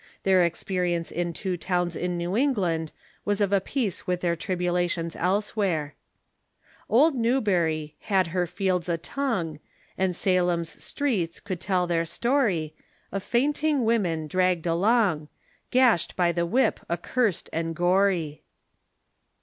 Their experience in two towns in New England was of a piece Avith their tribulations elsewhere :" Old Newbury, had her fields a tongue, And Salem's streets, could tell their story Of fainting women dragged along. Gashed by the whip accursed and gory."